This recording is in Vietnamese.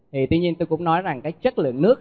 thì tuy nhiên tôi cũng nói rằng cái chất lượng nước